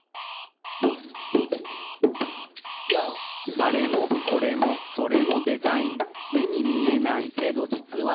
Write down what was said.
「あれもこれもそれもデザイン」「目に見えないけど実はデザイン」